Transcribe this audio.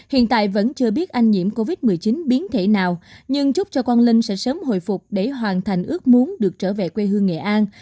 hiện tại vẫn chưa biết anh nhiễm covid một mươi chín biến thể nào nhưng chúc cho quang linh sẽ sớm hồi phục để hoàn thành ước muốn được trở về quê hương nghệ an